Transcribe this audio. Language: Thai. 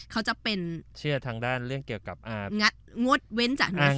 เขาจะเป็นเชื่อทางด้านเรื่องเกี่ยวกับงดเว้นจากงาน